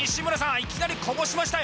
いきなりこぼしましたよ